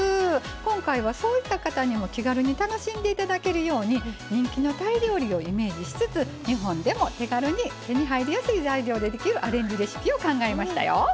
今回はそういった方にも気軽に楽しんでいただけるように人気のタイ料理をイメージしつつ日本でも手軽に手に入りやすい材料でできるアレンジレシピを考えましたよ。